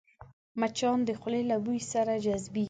مچان د خولې له بوی سره جذبېږي